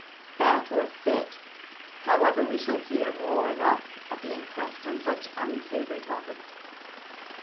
"That or a fit. However, we shall hear more than enough at the inquest on such unsavoury topics."